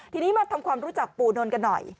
ทีนี้มาทำความรู้จักปู่นนท์กันหน่อย